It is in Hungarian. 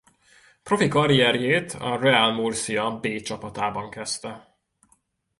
Profi karrierjét a Real Murcia B csapatában kezdte.